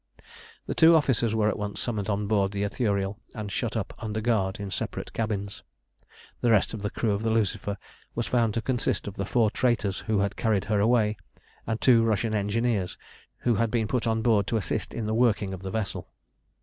The two officers were at once summoned on board the Ithuriel and shut up under guard in separate cabins. The rest of the crew of the Lucifer was found to consist of the four traitors who had carried her away, and two Russian engineers who had been put on board to assist in the working of the vessel.